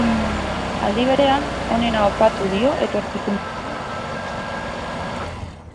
Aldi berean, onena opatu dio etorkizun pertsonal eta profesionalerako.